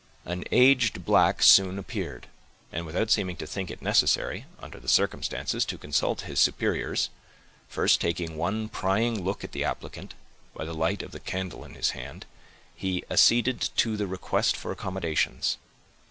An aged black soon appeared; and without seeming to think it necessary, under the circumstances, to consult his superiors,—first taking one prying look at the applicant, by the light of the candle in his hand,—he acceded to the request for accommodations.